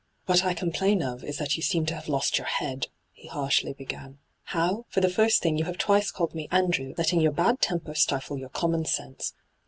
' What I complain of is that you seem to have lost your head !' he harshly began. ' How ? For the first thing, you have twice called me " Andrew," letting your bad temper stifle your common sense.